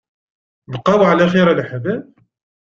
Bqaw ɛla xir a leḥbab.